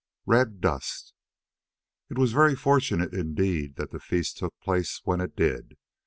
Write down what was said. RED DUST_ It was very fortunate indeed that the feast took place when it did.